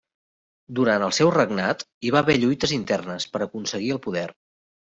Durant el seu regnat hi va haver lluites internes per aconseguir el poder.